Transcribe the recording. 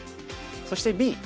そしてＢ。